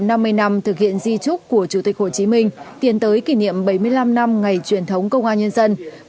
năm mươi năm thực hiện di trúc của chủ tịch hồ chí minh tiến tới kỷ niệm bảy mươi năm năm ngày truyền thống công an nhân dân